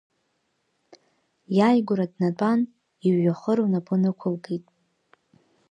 Иааигәара днатәан, ижәҩахыр лнапы нықәылкит.